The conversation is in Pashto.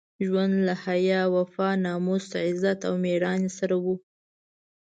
ژوند له حیا، وفا، ناموس، عزت او مېړانې سره وو.